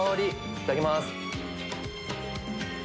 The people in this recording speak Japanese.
いただきます。